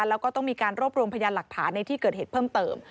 แล้วก็ต้องมีการรวบรวมพยานหลักฐานในที่เกิดเหตุเพิ่มเติม